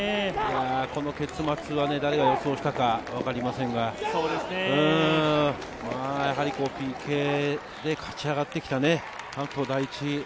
この結末は誰が予想したかわかりませんが、やはりＰＫで勝ち上がってきた関東第一。